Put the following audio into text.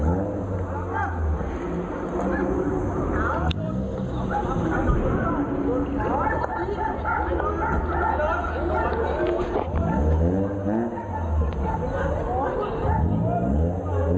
ไอหนูอยู่โลกอีกท่าไกร